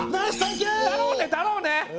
だろうねだろうね！